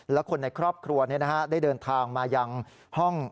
และคนในครอบครัวได้เดินทางมายังห้อง